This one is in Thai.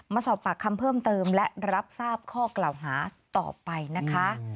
มาสอบปากคำเพิ่มเติมและรับทราบข้อกล่าวหาต่อไปนะคะ